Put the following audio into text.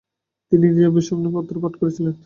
তিনি নিজেই অভিশংসন পত্র পাঠ করেছিলেন।